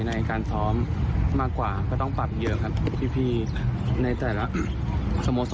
ในการซ้อมมากกว่าก็ต้องปรับเยอะครับพี่ในแต่ละสโมสร